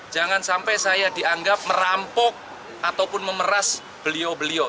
jangan sampai saya dianggap merampok ataupun memeras beliau beliau